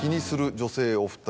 女性お２人。